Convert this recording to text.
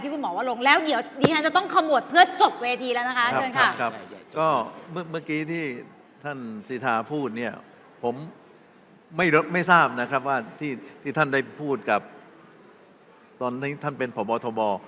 ผมไม่รู้ไม่ทราบนะครับว่าที่ท่านได้พูดกับตอนนี้ท่านเป็นผ่อบอทบอร์